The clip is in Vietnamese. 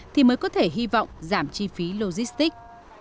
thì mới có thể hy vọng giảm chi phí logistics